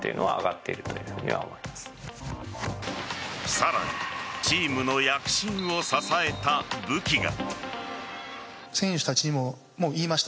さらにチームの躍進を支えた武器が。